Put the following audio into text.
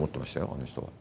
あの人は。